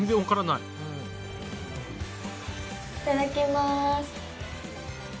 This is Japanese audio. いただきます。